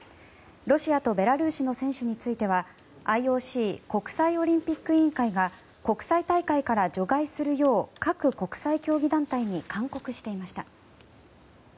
ロシアとベラルーシの選手についてはＩＯＣ・国際オリンピック委員会が国際大会から除外するよう各国際競技団体に勧告していました。